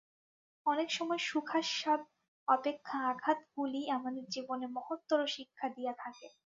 অনেক সময় সুখাস্বাদ অপেক্ষা আঘাতগুলিই আমাদের জীবনে মহত্তর শিক্ষা দিয়া থাকে।